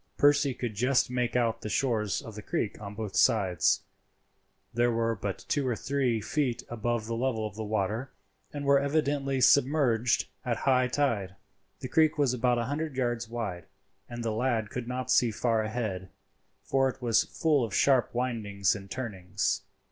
Percy could just make out the shores of the creek on both sides; they were but two or three feet above the level of the water, and were evidently submerged at high tide. The creek was about a hundred yards wide, and the lad could not see far ahead, for it was full of sharp windings and turnings.